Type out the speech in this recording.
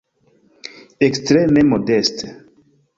Ekstreme modeste.